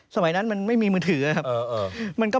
สมัยนั้นมันไม่มีมือถือครับ